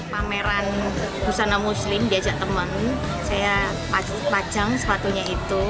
pameran husana muslim diajak teman saya pacang sepatunya itu